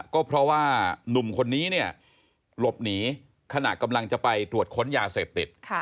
ก็เพราะว่าหนุ่มคนนี้เนี่ยหลบหนีขณะกำลังจะไปตรวจค้นยาเสพติด